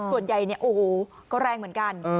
ขวนใหญ่โอ้โฮก็แรงเหมือนกัน